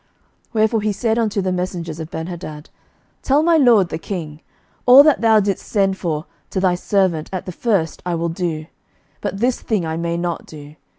11:020:009 Wherefore he said unto the messengers of Benhadad, Tell my lord the king, All that thou didst send for to thy servant at the first I will do: but this thing I may not do.